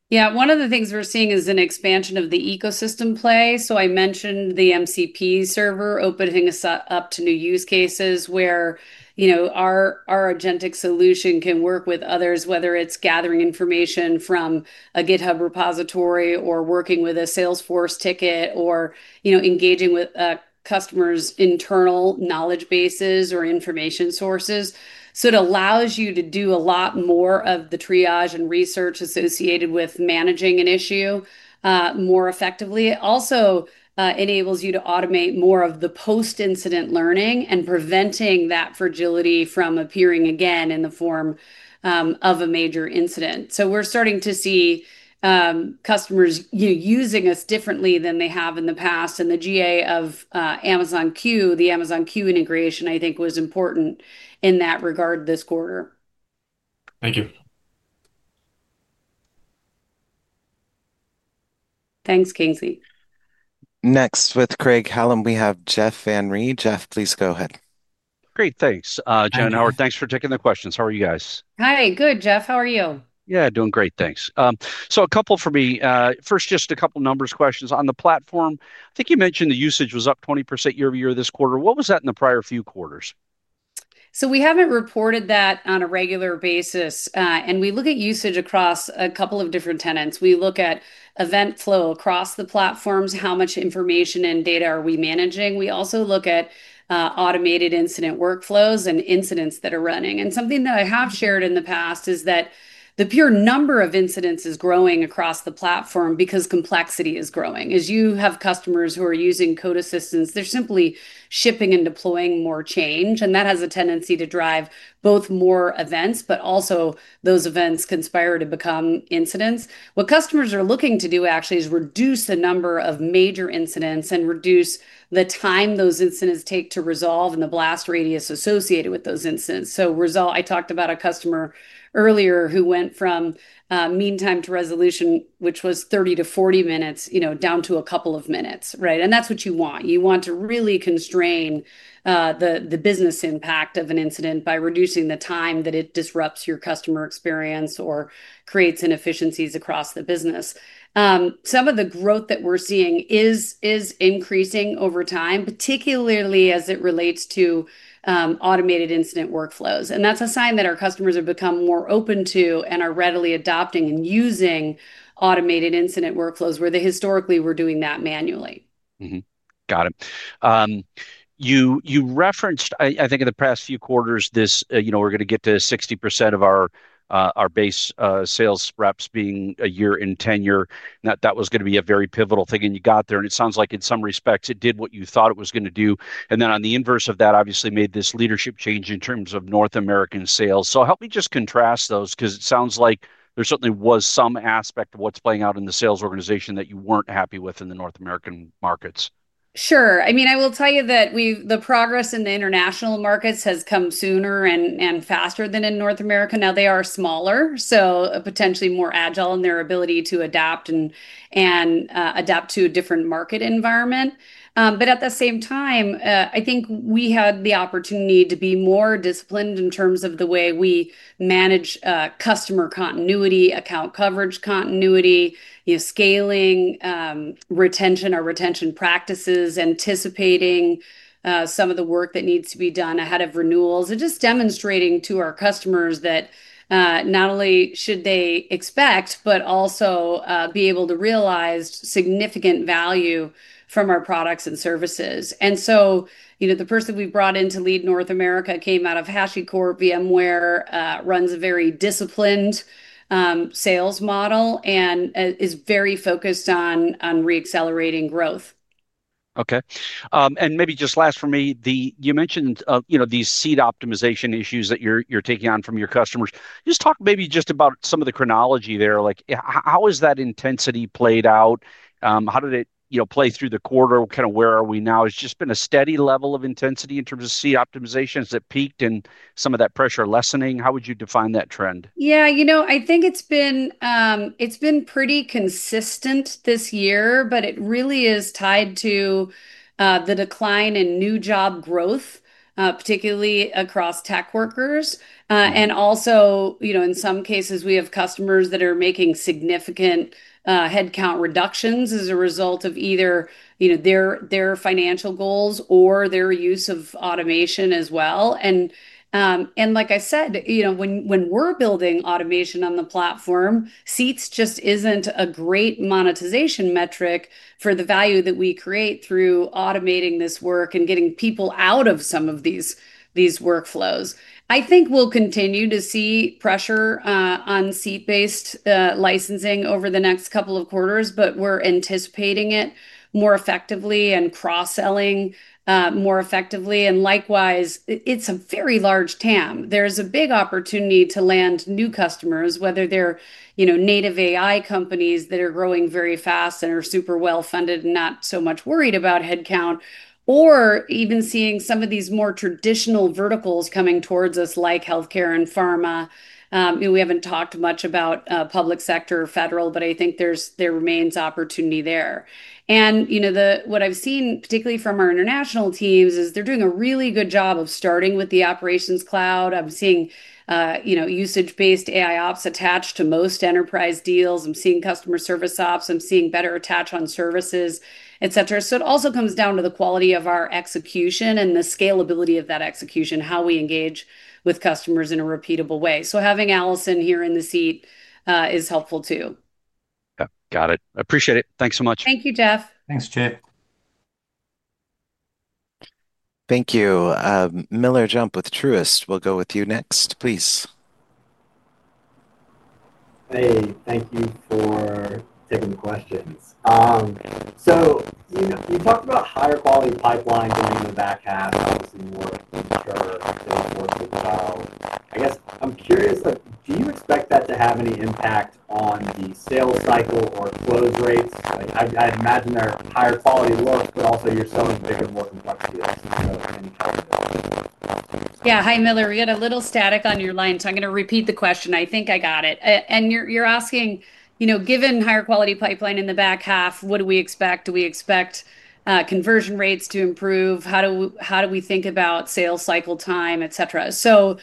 Yeah. One of the things we're seeing is an expansion of the ecosystem play. So I mentioned the MCP server opening us up to new use cases where, you know, our our agentic solution can work with others, whether it's gathering information from a GitHub repository or working with a Salesforce ticket or, you know, engaging with a customer's internal knowledge bases or information sources. So it allows you to do a lot more of the triage and research associated with managing an issue, more effectively. It also, enables you to automate more of the post incident learning and preventing that fragility from appearing again in the form, of a major incident. So we're starting to see, customers, you know, using us differently than they have in the past and the GA of, Amazon queue. The Amazon queue integration, I think, was important in that regard this quarter. Thank you. Thanks, Casey. Next with Craig Hallum, we have Jeff Van Rhee. Jeff, please go ahead. Great. Thanks. Jen and Howard, thanks for taking the questions. How are you guys? Hi. Good, Jeff. How are you? Yeah. Doing great. Thanks. So a couple for me. First, just a couple numbers questions. On the platform, I think you mentioned the usage was up 20% year over year this quarter. What was that in the prior few quarters? So we haven't reported that on a regular basis, and we look at usage across a couple of different tenants. We look at event flow across the platforms, how much information and data are we managing. We also look at automated incident workflows and incidents that are running. And something that I have shared in the past is that the pure number of incidents is growing across the platform because complexity is growing. As you have customers who are using code assistance, they're simply shipping and deploying more change, and that has a tendency to drive both more events, but also those events conspire to become incidents. What customers are looking to do actually is reduce the number of major incidents and reduce the time those incidents take to resolve and the blast radius associated with those incidents. So result I talked about a customer earlier who went from, meantime to resolution, which was thirty to forty minutes, you know, down to a couple of minutes. Right? And that's what you want. You want to really constrain the the business impact of an incident by reducing the time that it disrupts your customer experience or creates inefficiencies across the business. Some of the growth that we're seeing is is increasing over time, particularly as it relates to automated incident workflows. And that's a sign that our customers have become more open to and are readily adopting and using automated incident workflows where they historically were doing that manually. Mhmm. Got it. You you referenced I I think in the past few quarters this, you know, we're gonna get to 60 of our, our base, sales reps being a year in tenure. That that was gonna be a very pivotal thing, and you got there. And it sounds like in some respects, it did what you thought it was gonna do. And then on the inverse of that, obviously, made this leadership change in terms of North American sales. So help me just contrast those because it sounds like there certainly was some aspect of what's playing out in the sales organization that you weren't happy within the North American markets. Sure. I mean, I will tell you that we've the progress in the international markets has come sooner and and faster than in North America. Now they are smaller, so potentially more agile in their ability to adapt and and adapt to a different market environment. But at the same time, I think we had the opportunity to be more disciplined in terms of the way we manage customer continuity, account coverage continuity, you know, scaling retention or retention practices, anticipating some of the work that needs to be done ahead of renewals. It just demonstrating to our customers that not only should they expect, but also be able to realize significant value from our products and services. And so, you know, the person we brought in to lead North America came out of HashiCorp VMware, runs a very disciplined, sales model and is very focused on on reaccelerating growth. Okay. And maybe just last for me. The you mentioned, you know, these seed optimization issues that you're you're taking on from your customers. Just talk maybe just about some of the chronology there. Like, how is that intensity played out? How did it, you know, play through the quarter? Kind of where are we now? It's just been a steady level of intensity in terms of seed optimizations that peaked in some of that pressure lessening? How would you define that trend? Yeah. You know, I think it's been, it's been pretty consistent this year, but it really is tied to, the decline in new job growth, particularly across tech workers. And also, you know, in some cases, we have customers that are making significant headcount reductions as a result of either, you know, their their financial goals or their use of automation as well. And and like I said, you know, when when we're building automation on the platform, seats just isn't a great monetization metric for the value that we create through automating this work and getting people out of some of these these workflows. I think we'll continue to see pressure, on seat based, licensing over the next couple of quarters, but we're anticipating it more effectively and cross selling, more effectively. And likewise, it's a very large TAM. There's a big opportunity to land new customers, whether they're, you know, native AI companies that are growing very fast and are super well funded and not so much worried about headcount or even seeing some of these more traditional verticals coming towards us like health care and pharma. Know, we haven't talked much about, public sector or federal, but I think there's there remains opportunity there. And, you know, the what I've seen, particularly from our international teams, is they're doing a really good job of starting with the operations cloud. I'm seeing, you know, usage based AI ops attached to most enterprise deals. I'm seeing customer service ops. I'm seeing better attach on services, etcetera. Etcetera. So it also comes down to the quality of our execution and the scalability of that execution, how we engage with customers in a repeatable way. So having Allison here in the seat, is helpful too. Yep. Got it. Appreciate it. Thanks so much. Thank you, Jeff. Thanks, Chip. Thank you. Miller Jump with Truist. We'll go with you next, please. Hey. Thank you for taking the questions. So you talked about higher quality pipeline in the back half, obviously, more future sales growth as well. I guess, I'm curious, like, do you expect that to have any impact on the sales cycle or close rates? I imagine they're higher quality work, but also you're selling bigger, more complex deals. I'm going repeat the question. I think I got it. And you're asking, you know, given higher quality pipeline in the back half, what do we expect? Do we expect conversion rates to improve? How do how do we think about sales cycle time, etcetera? So,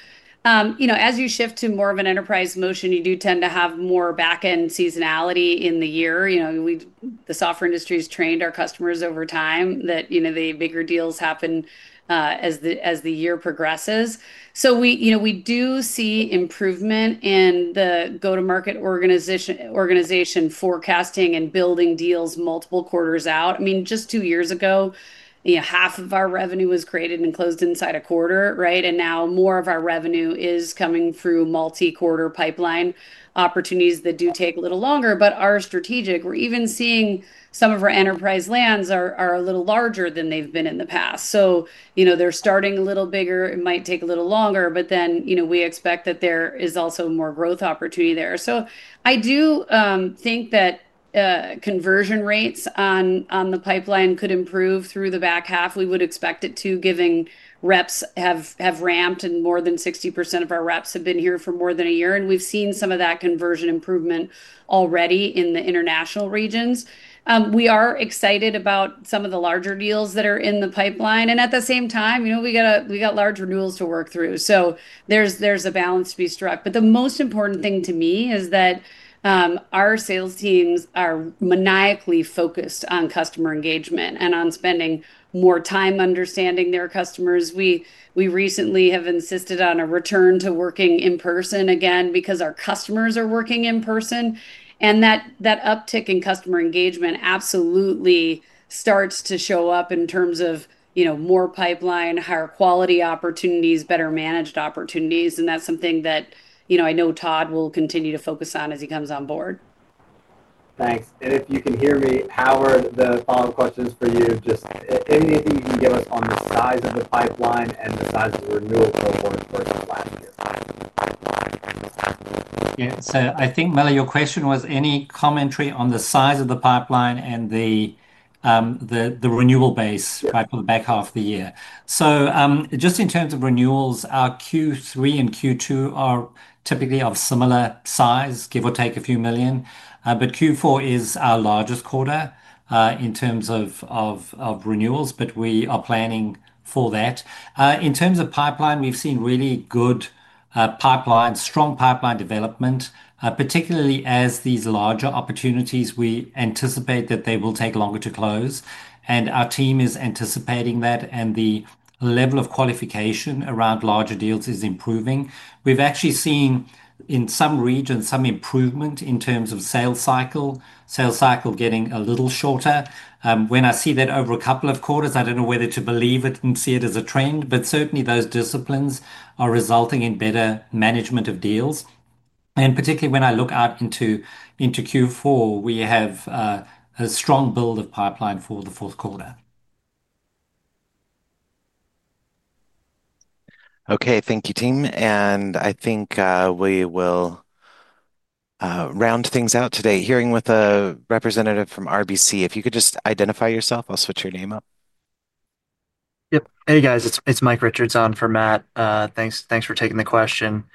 you know, as you shift to more of an enterprise motion, you do tend to have more back end seasonality in the year. You know, we've the software industry has trained our customers over time that, you know, the bigger deals happen as the as the year progresses. So we, you know, we do see improvement in the go to market organization organization forecasting and building deals multiple quarters out. I mean, just two years ago, you know, half of our revenue was created and closed Right? And now more of our revenue is coming through multi quarter pipeline opportunities that do take a little longer, but our strategic we're even seeing some of our enterprise lands are are a little larger than they've been in the past. So, you know, they're starting a little bigger. It might take a little longer, but then, you know, we expect that there is also more growth opportunity there. So I do think that conversion rates on on the pipeline could improve through the back half. We would expect it to giving reps have have ramped and more than 60% of our reps have been here for more than a year, and we've seen some of that conversion improvement already in the international regions. We are excited about some of the larger deals that are in the pipeline. And at the same time, you know, we got a we got large renewals to work through. So there's there's a balance to be struck. But the most important thing to me is that our sales teams are maniacally focused on customer engagement and on spending more time understanding their customers. We we recently have insisted on a return to working in person again because our customers are working in person. And that that uptick in customer engagement absolutely starts to show up in terms of, you know, more pipeline, higher quality opportunities, better managed opportunities, and that's something that, you know, I know Todd will continue to focus on as he comes on board. Thanks. And if you can hear me, Howard, the follow-up question is for you. Just anything you can give us on the size of the pipeline and the size of the renewal cohort versus last year. Yes. So I think, Mellie, your question was any commentary on the size of the pipeline and the the renewal base for the back half of the year. So just in terms of renewals, our q three and q two are typically of similar size, give or take a few million. But q four is our largest quarter in terms of of of renewals, but we are planning for that. In terms of pipeline, we've seen really good pipeline, strong pipeline development particularly as these larger opportunities we anticipate that they will take longer to close and our team is anticipating that and the level of qualification around larger deals is improving. We've actually seen in some regions some improvement in terms of sales cycle, sales cycle getting a little shorter. When I see that over a couple of quarters, I don't know whether to believe it and see it as a trend, but certainly those disciplines are resulting in better management of deals. And particularly when I look out into into q four, we have a strong build of pipeline for the fourth quarter. Okay. Thank you, team. And I think we will round things out today. Hearing with a representative from RBC, if you could just identify yourself, I'll switch your name up. Yep. Hey, guys. It's it's Mike Richards on for Matt. Thanks thanks for taking the question.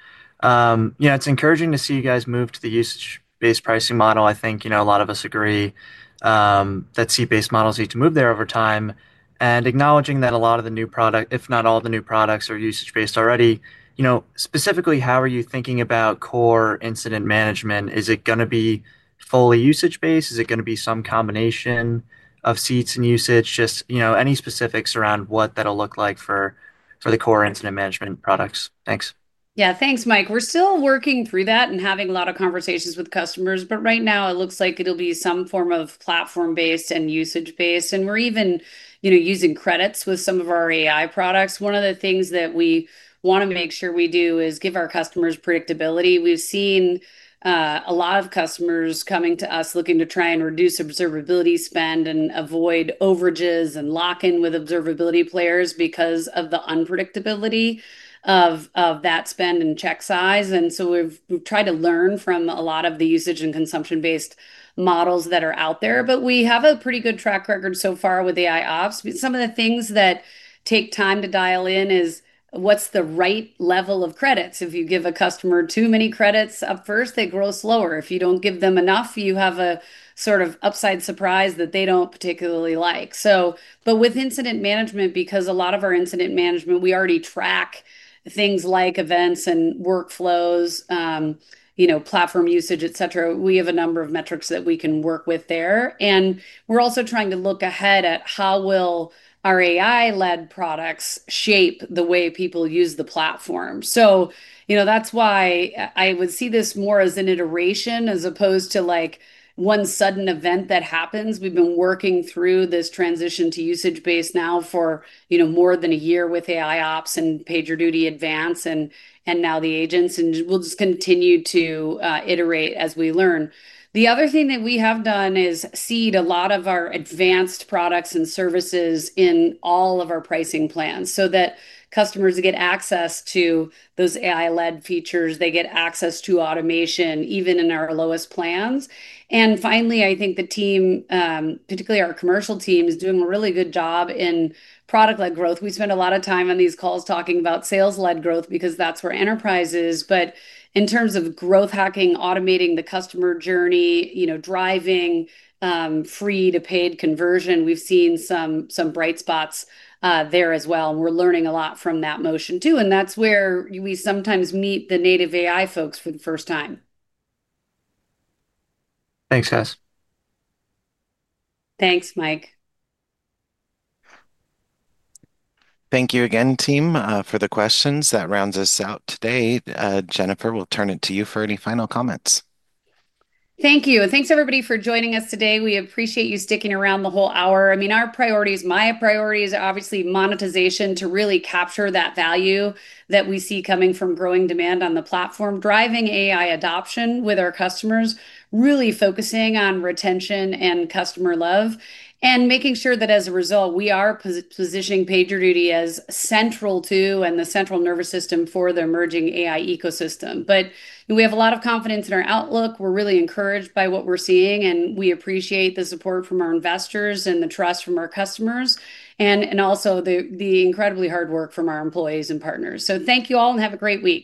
Yeah. It's encouraging to see you guys move to the usage based pricing model. I think, you know, a lot of us agree, that seat based models need to move there over time. And acknowledging that a lot of the new product, if not all the new products, are usage based already, you know, specifically, how are you thinking about core incident management? Is it gonna be fully usage based? Is it gonna be some combination of seats and usage? Just, you know, any specifics around what that'll look like for for the core incident management products? Thanks. Yeah. Thanks, Mike. We're still working through that and having a lot of conversations But right now, it looks like it'll be some form of platform based and usage based, and we're even, you know, using credits with some of our AI products. One of the things that we wanna make sure we do is give our customers predictability. We've seen a lot of customers coming to us looking to try and reduce observability spend and avoid overages and lock in with observability players because of the unpredictability of of that spend and check size. And so we've we've tried to learn from a lot of the usage and consumption based models that are out there, but we have a pretty good track record so far with AI ops. Some of the things that take time to dial in is what's the right level of credits. If you give a customer too many credits up first, they grow slower. If you don't give them enough, you have a sort of upside surprise that they don't particularly like. So but with incident management, because a lot of our incident management, we already track things like events and workflows, you know, platform usage, etcetera. We have a number of metrics that we can work with there. And we're also trying to look ahead at how will our AI led products shape the way people use the platform. So, you know, that's why I would see this more as an iteration as opposed to, like, one sudden event that happens. We've been working through this transition to usage based now for, you know, more than a year with AI ops and PagerDuty advance and and now the agents, and we'll just continue to, iterate as we learn. The other thing that we have done is seed a lot of our advanced products and services in all of our pricing plans so that customers get access to those AI led features. They get access to automation even in our lowest plans. And finally, I think the team, particularly our commercial team, is doing a really good job in product led growth. We spend a lot of time on these calls talking about sales led growth because that's where enterprises. But in terms of growth hacking, automating the customer journey, you know, driving free to paid conversion. We've seen some some bright spots there as well. We're learning a lot from that motion too, and that's where we sometimes meet the native AI folks for the first time. Thanks, guys. Thanks, Mike. Thank you again, team, for the questions. That rounds us out today. Jennifer, we'll turn it to you for any final comments. Thank you, and thanks everybody for joining us today. We appreciate you sticking around the whole hour. I mean, our priorities my priorities are obviously monetization to really capture that value that we see coming from growing demand on the platform, driving AI adoption with our customers, really focusing on retention and customer love, and making sure that as a result, we are positioning PagerDuty as central to and the central nervous system for the emerging AI ecosystem. But we have a lot of confidence in our outlook. We're really encouraged by what we're seeing, and we appreciate the support from our investors and the trust from our customers and and also the the incredibly hard work from our employees and partners. So thank you all, and have a great week.